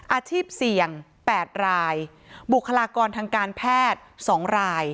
อาชีพเสี่ยง๘รายบุคลากรทางการแพทย์๒ราย